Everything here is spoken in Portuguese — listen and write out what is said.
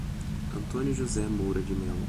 Antônio José Moura de Melo